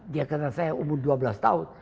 dia karena saya umur dua belas tahun